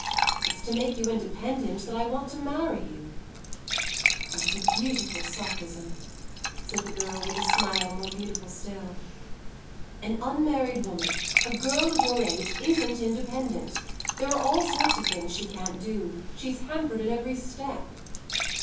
It's to make you independent that I want to marry you." "That's a beautiful sophism," said the girl with a smile more beautiful still. "An unmarried woman a girl of your age isn't independent. There are all sorts of things she can't do. She's hampered at every step."